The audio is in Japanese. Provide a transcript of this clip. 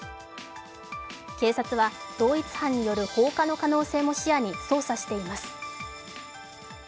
警察は同一犯による放火の可能性も視野に捜査しています。